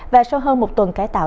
và sau hơn một tuần cải tạo